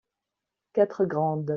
Quatre grandes.